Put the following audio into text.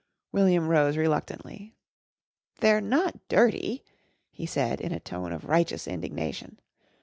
William rose reluctantly. "They're not dirty," he said in a tone of righteous indignation.